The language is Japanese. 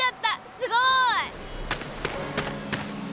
すごい！